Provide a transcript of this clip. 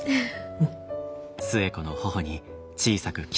うん。